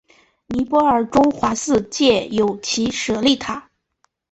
尼泊尔中华寺建有其舍利塔。